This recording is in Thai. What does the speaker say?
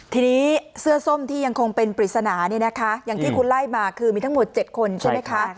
ทีนี้เสื้อส้มที่ยังคงเป็นปริศนาเนี่ยนะคะอย่างที่คุณไล่มาคือมีทั้งหมด๗คนใช่ไหมคะ